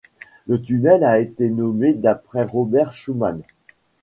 Le tunnel a été nommé d'après Robert Schuman.